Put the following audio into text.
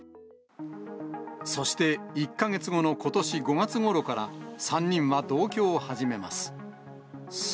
そして、１か月後のことし５月ごろから、３人は同居を始めます。